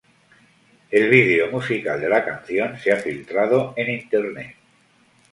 El video musical de la canción se ha filtrado en internet.